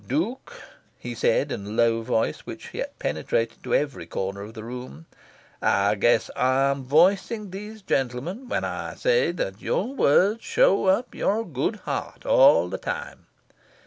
"Duke," he said in a low voice, which yet penetrated to every corner of the room, "I guess I am voicing these gentlemen when I say that your words show up your good heart, all the time.